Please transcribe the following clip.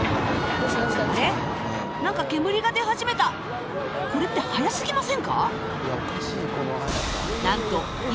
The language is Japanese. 何か煙が出始めたこれって速すぎませんか？